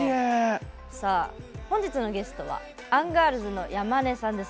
本日のゲストはアンガールズの山根さんです。